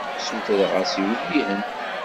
Sutreɣ-as iwellihen.